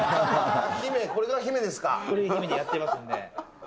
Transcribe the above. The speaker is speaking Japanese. これで姫でやってますんで。